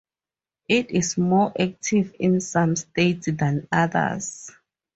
It is more active in some states than others.